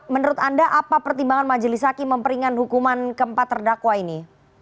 menurut anda apa pertimbangan majelis hakim memperingan hukuman keempat terdakwa ini